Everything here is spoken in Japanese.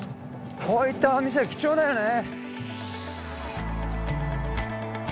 こういったお店は貴重だよね。